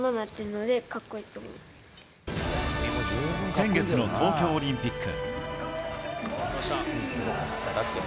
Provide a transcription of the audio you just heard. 先月の東京オリンピック。